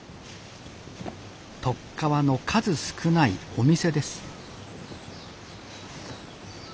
とっかわの数少ないお店です